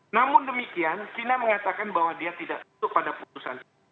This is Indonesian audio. namun demikian china mengatakan bahwa dia tidak masuk pada putusan